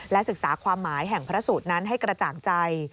ศึกษาความหมายแห่งพระสูตรนั้นให้กระจ่างใจ